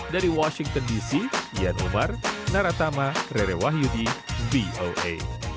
dari washington dc yan umar narathama rere wahyudi voa